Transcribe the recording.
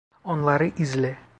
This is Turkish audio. Onları izle.